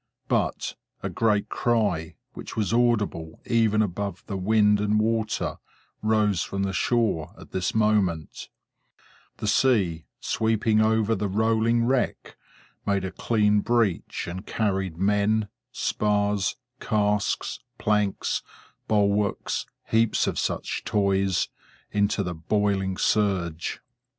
But, a great cry, which was audible even above the wind and water, rose from the shore at this moment; the sea, sweeping over the rolling wreck, made a clean breach, and carried men, spars, casks, planks, bulwarks, heaps of such toys, into the boiling surge.